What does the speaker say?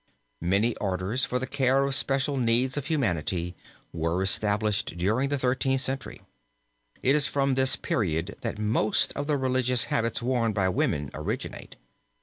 Many orders for the care of special needs of humanity were established during the Thirteenth Century. It is from this period that most of the religious habits worn by women originate.